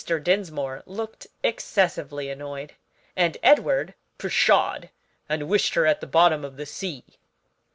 Dinsmore looked excessively annoyed, and Edward "pshawed, and wished her at the bottom of the sea."